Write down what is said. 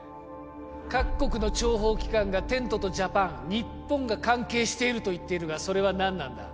各国の諜報機関がテントとジャパン日本が関係していると言っているがそれは何なんだ？